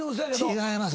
違います！